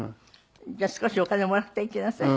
じゃあ少しお金もらっていきなさい。